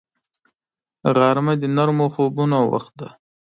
غرمه د نرمو خوبونو وخت دی